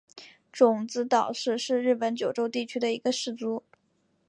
种子岛氏是日本九州地区的一个氏族。